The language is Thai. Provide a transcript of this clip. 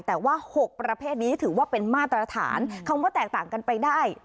แต่ว่า๖ประเภทนี้ถือว่าเป็นมาตรฐานคำว่าแตกต่างกันไปได้